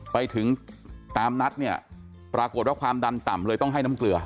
ไปถึงตามนัดเนี่ยปรากฏว่าความดันต่ำเลยต้องให้น้ำเกลือ